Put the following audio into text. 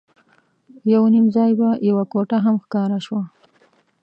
یو نیم ځای به یوه کوټه هم ښکاره شوه.